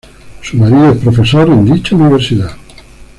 Su marido es profesor en dicha Universidad.